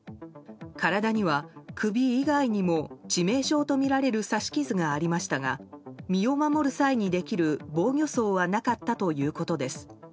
体には首以外にも、致命傷とみられる刺し傷がありましたが身を守る際にできる防御創はなかったということです。